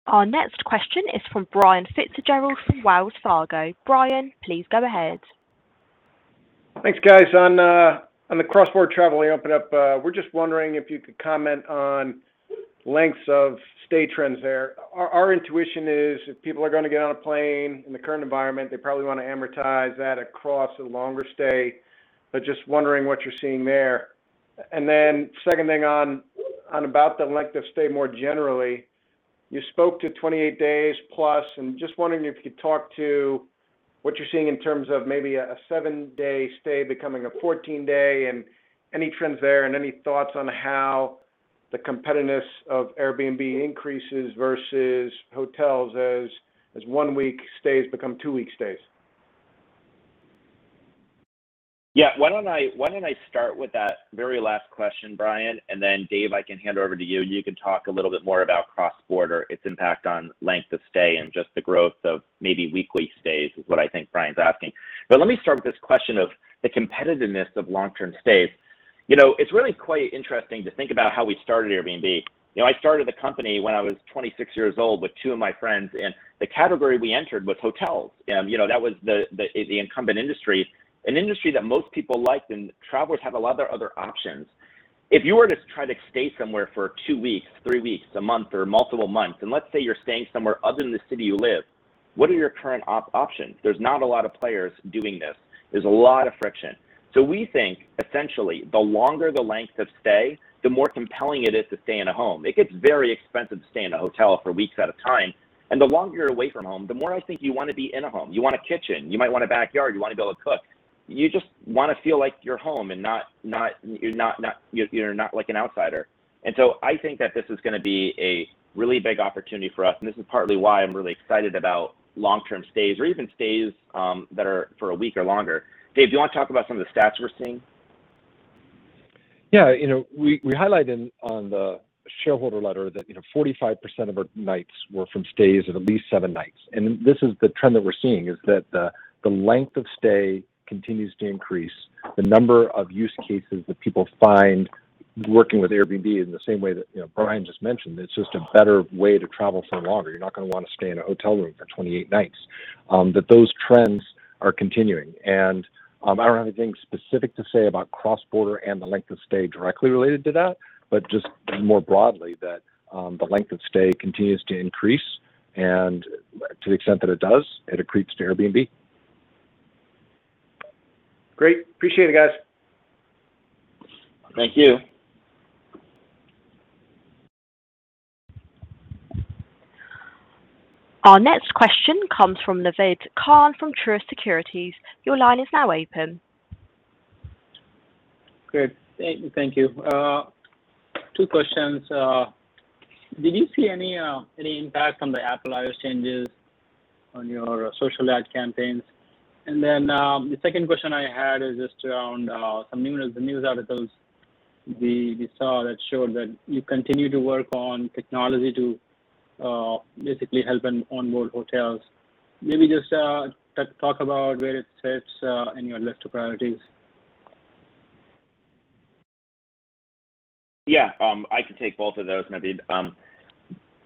Our next question is from Brian Fitzgerald from Wells Fargo. Brian, please go ahead. Thanks, guys. On the cross-border travel you opened up, we're just wondering if you could comment on lengths of stay trends there. Our intuition is if people are going to get on a plane in the current environment, they probably want to amortize that across a longer stay. Just wondering what you're seeing there. Second thing on about the length of stay more generally, you spoke to 28 days plus, and just wondering if you'd talk to what you're seeing in terms of maybe a seven day stay becoming a 14 day, and any trends there and any thoughts on how the competitiveness of Airbnb increases versus hotels as one-week stays become two-week stays. Yeah. Why don't I start with that very last question, Brian, and then Dave, I can hand over to you. You can talk a little bit more about cross-border, its impact on length of stay, and just the growth of maybe weekly stays is what I think Brian's asking. Let me start with this question of the competitiveness of long-term stays. You know, it's really quite interesting to think about how we started Airbnb. You know, I started the company when I was 26 years old with two of my friends, and the category we entered was hotels. You know, that was the incumbent industry, an industry that most people liked, and travelers have a lot of other options. If you were to try to stay somewhere for two weeks, three weeks, a month, or multiple months, and let's say you're staying somewhere other than the city you live, what are your current options? There's not a lot of players doing this. There's a lot of friction. We think essentially, the longer the length of stay, the more compelling it is to stay in a home. It gets very expensive to stay in a hotel for weeks at a time. The longer you're away from home, the more I think you want to be in a home. You want a kitchen, you might want a backyard, you want to be able to cook. You just want to feel like you're home and not like an outsider. I think that this is going to be a really big opportunity for us, and this is partly why I'm really excited about long-term stays or even stays that are for a week or longer. Dave, do you want to talk about some of the stats we're seeing? Yeah. You know, we highlighted on the shareholder letter that, you know, 45% of our nights were from stays of at least seven nights. This is the trend that we're seeing, is that the length of stay continues to increase. The number of use cases that people find working with Airbnb in the same way that, you know, Brian just mentioned, it's just a better way to travel for longer. You're not going to want to stay in a hotel room for 28 nights. That those trends are continuing, and I don't have anything specific to say about cross-border and the length of stay directly related to that, but just more broadly that the length of stay continues to increase, and to the extent that it does, it accretes to Airbnb. Great. Appreciate it, guys. Thank you. Our next question comes from Naved Khan from Truist Securities. Your line is now open. Great. Thank you. Two questions. Did you see any impact from the Apple iOS changes on your social ad campaigns? The second question I had is just around some news, the news articles we saw that showed that you continue to work on technology to basically help and onboard hotels. Maybe just talk about where it sits in your list of priorities. Yeah. I can take both of those, Naved.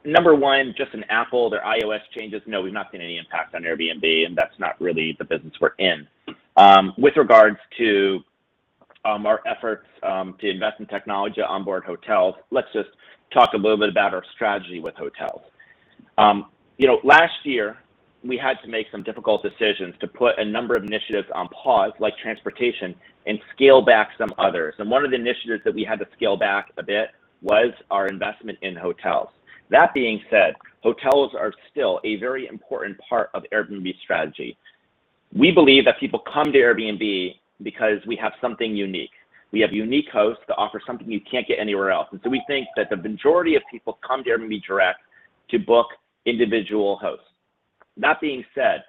Number one, just on Apple, their iOS changes, no, we've not seen any impact on Airbnb, and that's not really the business we're in. With regards to our efforts to invest in technology to onboard hotels, let's just talk a little bit about our strategy with hotels. You know, last year, we had to make some difficult decisions to put a number of initiatives on pause, like transportation, and scale back some others. One of the initiatives that we had to scale back a bit was our investment in hotels. That being said, hotels are still a very important part of Airbnb's strategy. We believe that people come to Airbnb because we have something unique. We have unique hosts that offer something you can't get anywhere else. We think that the majority of people come to Airbnb directly to book individual hosts. That being said,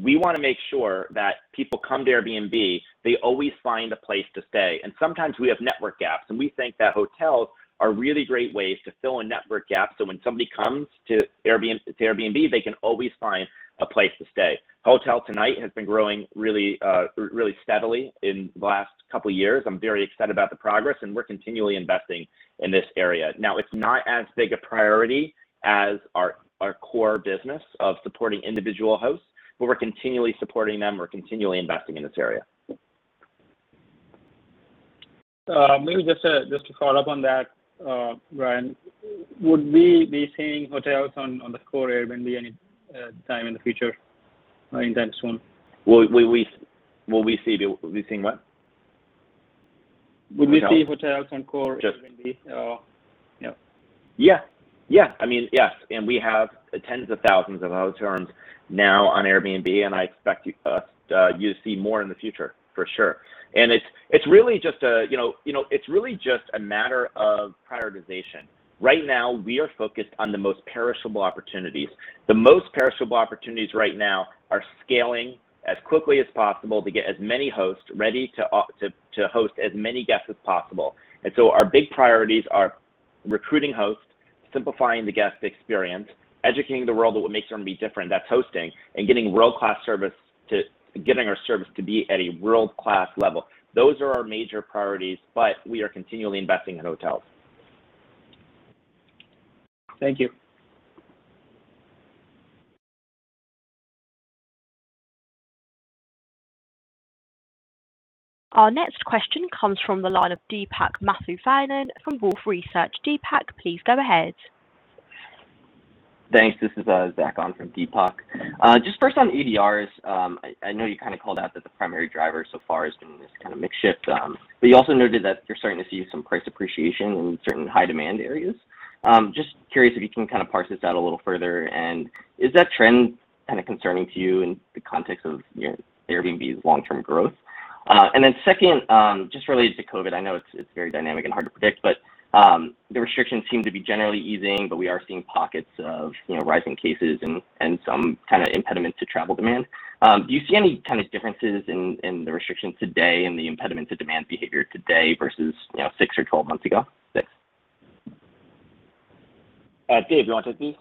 we want to make sure that people come to Airbnb, they always find a place to stay. Sometimes we have network gaps, and we think that hotels are really great ways to fill in network gaps so when somebody comes to Airbnb, they can always find a place to stay. HotelTonight has been growing really steadily in the last couple years. I'm very excited about the progress, and we're continually investing in this area. Now, it's not as big a priority as our core business of supporting individual hosts, but we're continually supporting them, we're continually investing in this area. Maybe just to follow up on that, Brian. Would we be seeing hotels on the core Airbnb any time in the future, anytime soon? Would we see what we're seeing? Would we see hotels on core Airbnb or no? Yeah. I mean, yes, we have tens of thousands of hotel rooms now on Airbnb, and I expect us to see more in the future for sure. It's really just a you know matter of prioritization. Right now, we are focused on the most perishable opportunities. The most perishable opportunities right now are scaling as quickly as possible to get as many hosts ready to host as many guests as possible. Our big priorities are recruiting hosts, simplifying the guest experience, educating the world on what makes Airbnb different, that's hosting, and getting our service to be at a world-class level. Those are our major priorities, but we are continually investing in hotels. Thank you. Our next question comes from the line of Deepak Mathivanan from Wolfe Research. Deepak, please go ahead. Thanks. Just first on ADRs, I know you kinda called out that the primary driver so far has been this kind of mixed shift, but you also noted that you're starting to see some price appreciation in certain high-demand areas. Just curious if you can kind of parse this out a little further. Is that trend kind of concerning to you in the context of, you know, Airbnb's long-term growth? Then second, just related to COVID, I know it's very dynamic and hard to predict, but the restrictions seem to be generally easing, but we are seeing pockets of, you know, rising cases and some kind of impediment to travel demand. Do you see any kind of differences in the restrictions today and the impediment to demand behavior today versus, you know, six or 12 months ago? Thanks. Dave, you want to take these?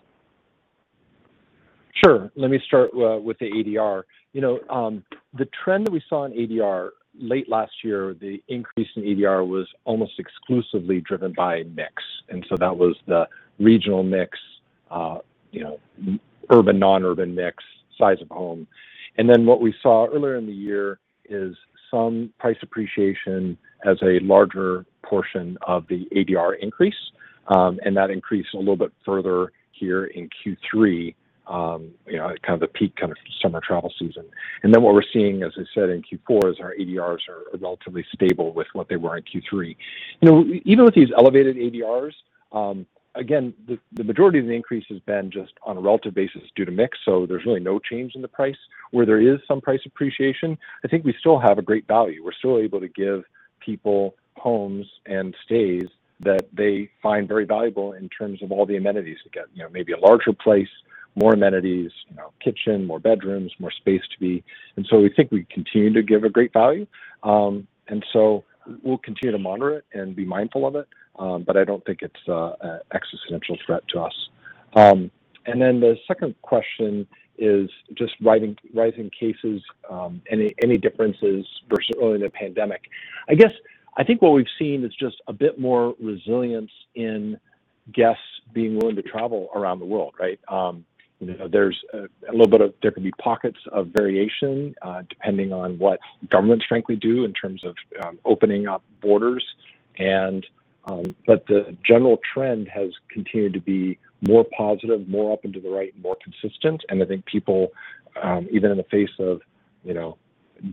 Sure. Let me start with the ADR. You know, the trend that we saw in ADR late last year, the increase in ADR was almost exclusively driven by mix. That was the regional mix, you know, urban, non-urban mix, size of home. What we saw earlier in the year is some price appreciation as a larger portion of the ADR increase, and that increased a little bit further here in Q3, you know, kind of the peak kind of summer travel season. What we're seeing, as I said, in Q4 is our ADRs are relatively stable with what they were in Q3. You know, even with these elevated ADRs, again, the majority of the increase has been just on a relative basis due to mix, so there's really no change in the price. Where there is some price appreciation, I think we still have a great value. We're still able to give people homes and stays that they find very valuable in terms of all the amenities they get. You know, maybe a larger place, more amenities, you know, kitchen, more bedrooms, more space to be. We think we continue to give a great value. We'll continue to monitor it and be mindful of it, but I don't think it's an existential threat to us. The second question is just rising cases, any differences versus early in the pandemic. I guess, I think what we've seen is just a bit more resilience in guests being willing to travel around the world, right? You know, there can be pockets of variation depending on what governments frankly do in terms of opening up borders. The general trend has continued to be more positive, more up and to the right, and more consistent. I think people, even in the face of, you know,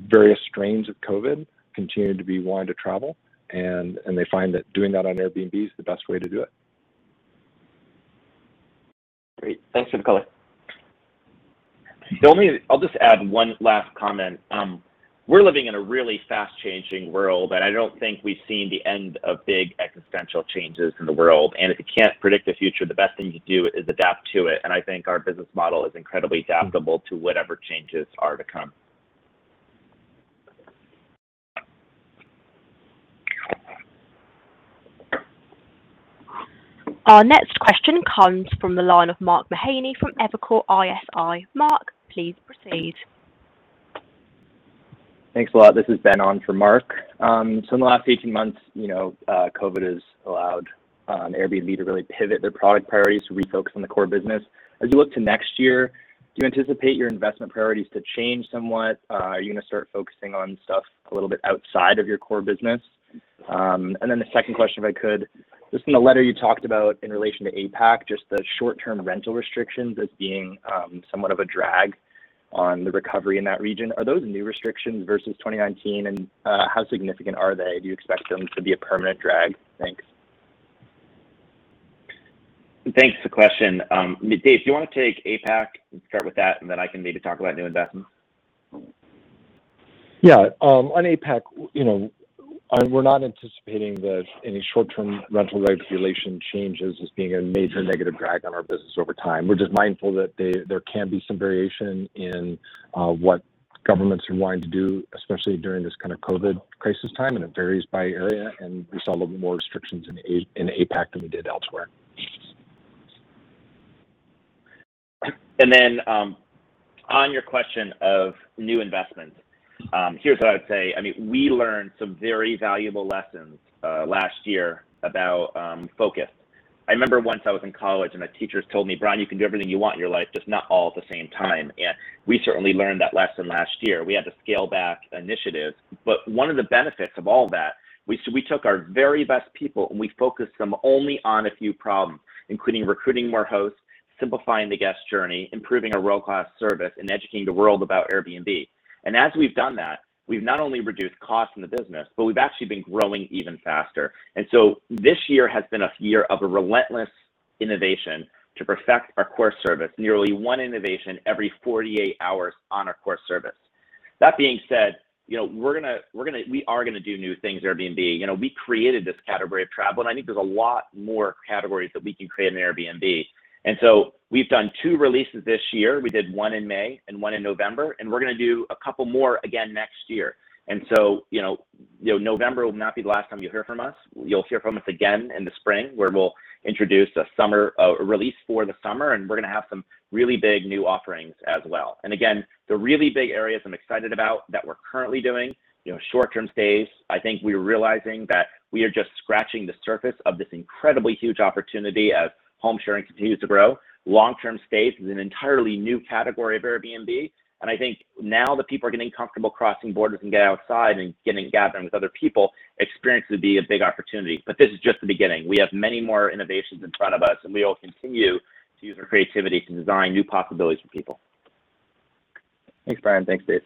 various strains of COVID, continue to be willing to travel, and they find that doing that on Airbnb is the best way to do it. Great. Thanks for the color. I'll just add one last comment. We're living in a really fast-changing world, and I don't think we've seen the end of big existential changes in the world. If you can't predict the future, the best thing to do is adapt to it. I think our business model is incredibly adaptable to whatever changes are to come. Our next question comes from the line of Mark Mahaney from Evercore ISI. Mark, please proceed. Thanks a lot. This is Ben on for Mark. So in the last 18 months, you know, COVID has allowed Airbnb to really pivot their product priorities to refocus on the core business. As you look to next year, do you anticipate your investment priorities to change somewhat? Are you gonna start focusing on stuff a little bit outside of your core business? The second question, if I could, just in the letter you talked about in relation to APAC, just the short-term rental restrictions as being somewhat of a drag on the recovery in that region. Are those new restrictions versus 2019, and how significant are they? Do you expect them to be a permanent drag? Thanks. Thanks for the question. Dave, do you want to take APAC and start with that, and then I can maybe talk about new investments? Yeah. On APAC, you know, we're not anticipating that any short-term rental regulation changes as being a major negative drag on our business over time. We're just mindful that there can be some variation in what governments are wanting to do, especially during this kind of COVID crisis time, and it varies by area, and we saw a little bit more restrictions in in APAC than we did elsewhere. On your question of new investment, here's what I would say. I mean, we learned some very valuable lessons last year about focus. I remember once I was in college, and my teachers told me, "Brian, you can do everything you want in your life, just not all at the same time." We certainly learned that lesson last year. We had to scale back initiatives, but one of the benefits of all that, we took our very best people, and we focused them only on a few problems, including recruiting more hosts, simplifying the guest journey, improving our world-class service, and educating the world about Airbnb. As we've done that, we've not only reduced costs in the business, but we've actually been growing even faster. This year has been a year of relentless innovation to perfect our core service, nearly one innovation every 48 hours on our core service. That being said, you know, we are gonna do new things at Airbnb. You know, we created this category of travel, and I think there's a lot more categories that we can create in Airbnb. We've done two releases this year. We did one in May and one in November, and we're gonna do a couple more again next year. You know, November will not be the last time you hear from us. You'll hear from us again in the spring, where we'll introduce a release for the summer, and we're gonna have some really big new offerings as well. Again, the really big areas I'm excited about that we're currently doing, you know, short-term stays. I think we're realizing that we are just scratching the surface of this incredibly huge opportunity as home sharing continues to grow. Long-term stays is an entirely new category of Airbnb, and I think now that people are getting comfortable crossing borders and getting outside and gathering with other people, experiences will be a big opportunity. This is just the beginning. We have many more innovations in front of us, and we will continue to use our creativity to design new possibilities for people. Thanks, Brian. Thanks, Dave.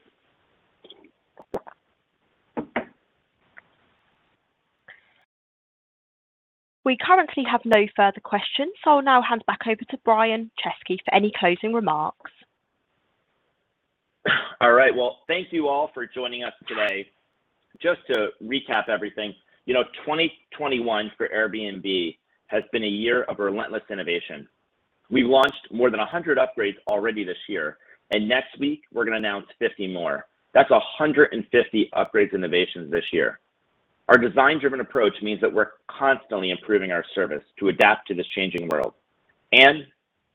We currently have no further questions, so I'll now hand back over to Brian Chesky for any closing remarks. All right. Well, thank you all for joining us today. Just to recap everything, you know, 2021 for Airbnb has been a year of relentless innovation. We've launched more than 100 upgrades already this year, and next week we're gonna announce 50 more. That's 150 upgrades and innovations this year. Our design-driven approach means that we're constantly improving our service to adapt to this changing world, and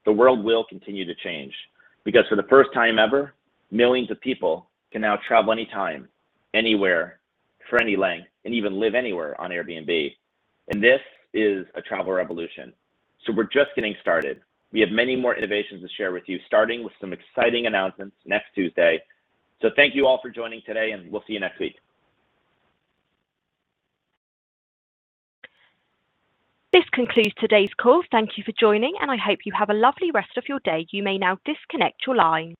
the world will continue to change because for the first time ever, millions of people can now travel anytime, anywhere, for any length, and even live anywhere on Airbnb, and this is a travel revolution. We're just getting started. We have many more innovations to share with you, starting with some exciting announcements next Tuesday. Thank you all for joining today, and we'll see you next week. This concludes today's call. Thank you for joining, and I hope you have a lovely rest of your day. You may now disconnect your line.